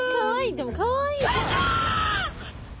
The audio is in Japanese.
でもかわいい。